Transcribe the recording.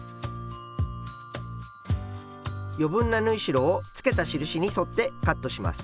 余分な縫い代をつけた印に沿ってカットします。